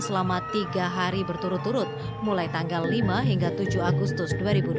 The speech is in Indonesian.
selama tiga hari berturut turut mulai tanggal lima hingga tujuh agustus dua ribu dua puluh